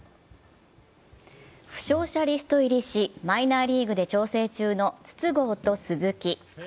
負傷者リスト入りし、マイナーリーグで調整中の筒香と鈴木。